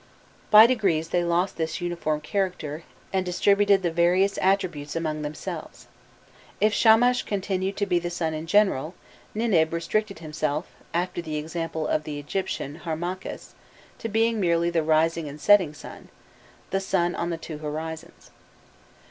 By degrees they lost this uniform character, and distributed the various attributes among themselves. If Shamash continued to be the sun in general, Ninib restricted himself, after the example of the Egyptian Harmakhis, to being merely the rising and setting sun, the sun on the two horizons.